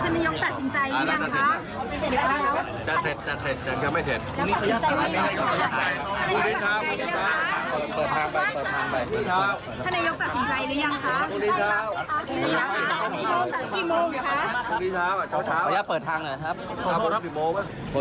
นายยกตัดสินใจหรือยังคะคุณสุดท้ายค่ะขออนุญาตเปิดทางเลยครับ